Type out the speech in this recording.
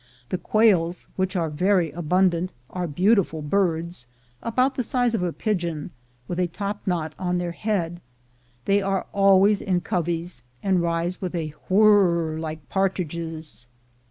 The quails, ON THE TRAIL 191 which are very abundant, are beautiful birds, about the size of a pigeon, with a top knot on their head; they are always in coveys, and rise with a whirr like partridges.